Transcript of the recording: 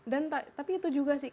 dan tapi itu juga sih